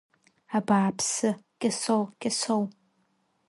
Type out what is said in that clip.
Абааԥсы, Кьасоу, Кьасоу!